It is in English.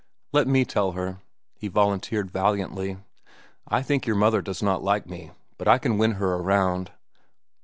"Let me tell her," he volunteered valiantly. "I think your mother does not like me, but I can win her around.